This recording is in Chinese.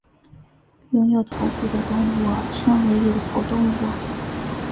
拥有头骨的动物称为有头动物。